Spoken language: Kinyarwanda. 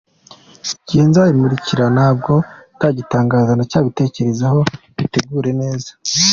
Igihe nzayimurikira ntabwo ndagitangaza, ndacyabitekerezaho mbitegura neza."